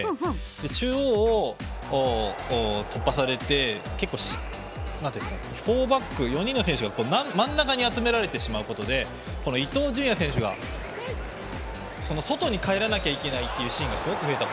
中央を突破されてフォーバック４人の選手が真ん中に集められてしまうことで伊東純也選手が外に帰らないといけないシーンがすごく増えた。